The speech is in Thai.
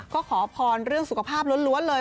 ก็ขอพรเรื่องสุขภาพล้วนเลย